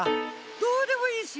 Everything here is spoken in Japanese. どうでもいいし！